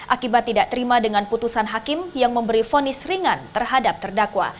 akibat tidak terima dengan putusan hakim yang memberi vonis ringan terhadap terdakwa